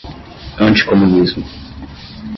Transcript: anticomunismo